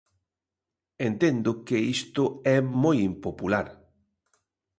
Entendo que isto é moi impopular.